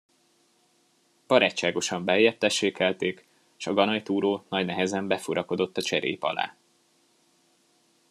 Barátságosan beljebb tessékelték, s a ganajtúró nagy nehezen befurakodott a cserép alá.